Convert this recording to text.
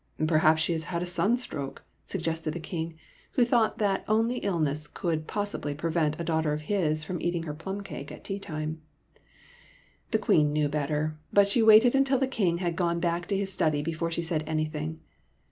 "Perhaps she has a sunstroke," suggested the King, who thought that only illness could possibly prevent a daughter of his from eating her plum cake at tea time. The Queen knew better, but she waited until the King had gone back into his study before she said any thing.